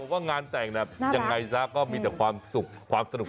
ว่างานแต่งยังไงซะก็มีแต่ความสุขความสนุก